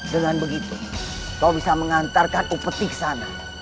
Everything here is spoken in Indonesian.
dengan begitu kau bisa mengantarkan upetik sana